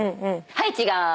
はい違ーう！